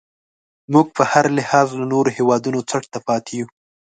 موږ په هر لحاظ له نورو هیوادونو څټ ته پاتې یو.